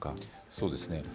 そうですね。